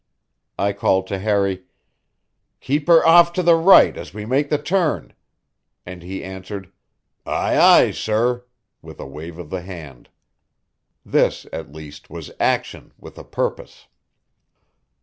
I called to Harry: "Keep her off to the right as we make the turn!" and he answered: "Aye, aye, sir!" with a wave of the hand. This, at least, was action with a purpose.